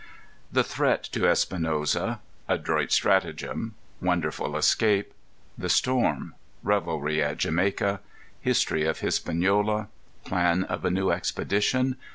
_ The Threat to Espinosa. Adroit Stratagem. Wonderful Escape. The Storm. Revelry at Jamaica. History of Hispaniola. Plan of a New Expedition.